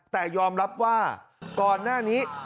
แต่ยอมรับว่าก่อนหน้านี้